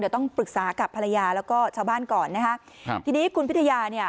เดี๋ยวต้องปรึกษากับภรรยาแล้วก็ชาวบ้านก่อนนะคะครับทีนี้คุณพิทยาเนี่ย